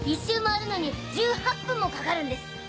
１周回るのに１８分もかかるんです！